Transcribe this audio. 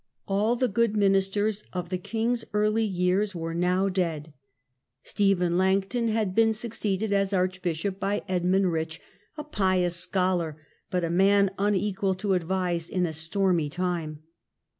All the good ministers of the king's early years were now dead. Stephen Langton had been succeeded as archbishop by Edmund Rich, a pious scholar, but a man unequal to advise in a stormy time.